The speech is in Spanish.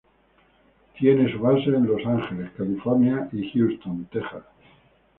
Él tiene su base en Los Ángeles, California y Houston, Texas.